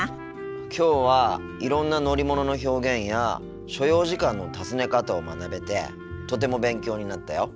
きょうはいろんな乗り物の表現や所要時間の尋ね方を学べてとても勉強になったよ。